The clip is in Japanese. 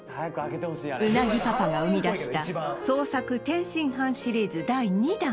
鰻パパが生み出した創作天津飯シリーズ第２弾